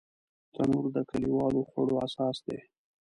تنور د کلیوالو خوړو اساس دی